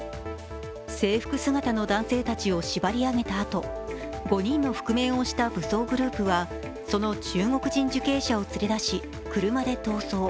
制服姿の男性たちを縛り上げたあと、５人の覆面をした武装グループは、その中国人受刑者を連れ出し車で逃走。